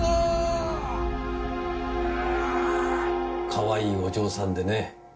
かわいいお嬢さんでね。